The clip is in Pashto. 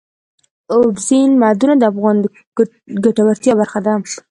اوبزین معدنونه د افغانانو د ګټورتیا برخه ده.